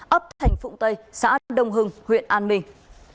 ấp thành phụng tây xã đông hưng huyện an minh